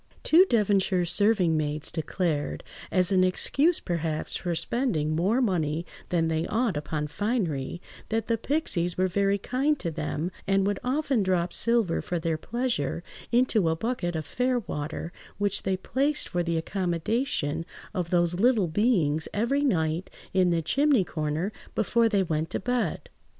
Two Devonshire serving–maids declared, as an excuse perhaps for spending more money than they ought upon finery, that the pixies were very kind to them, and would often drop silver for their pleasure into a bucket of fair water, which they placed for the accommodation of those little beings every night in the chimney–corner before they went to bed.